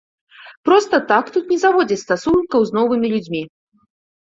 Проста так тут не заводзяць стасункаў з новымі людзьмі.